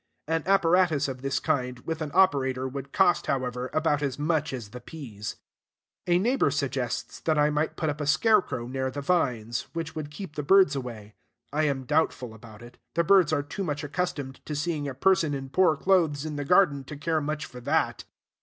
An apparatus of this kind, with an operator, would cost, however, about as much as the peas. A neighbor suggests that I might put up a scarecrow near the vines, which would keep the birds away. I am doubtful about it: the birds are too much accustomed to seeing a person in poor clothes in the garden to care much for that.